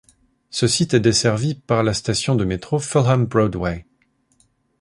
Ce site est desservi par la station de métro Fulham Broadway.